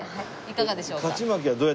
いかがでしょうか？